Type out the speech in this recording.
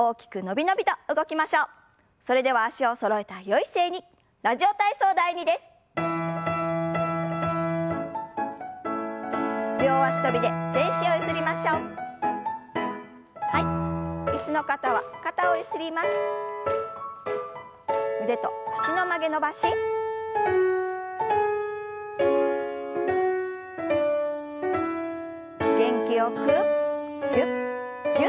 元気よくぎゅっぎゅっと。